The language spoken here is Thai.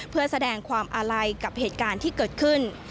เพื่อแสดงความอาลัยกับเหตุการณ์ที่เกิดขึ้น